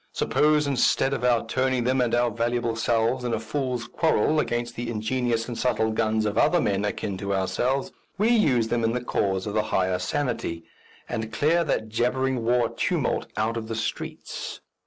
Suppose instead of our turning them and our valuable selves in a fool's quarrel against the ingenious and subtle guns of other men akin to ourselves, we use them in the cause of the higher sanity, and clear that jabbering war tumult out of the streets."...